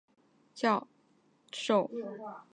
他还是伦敦大学学院访问教授。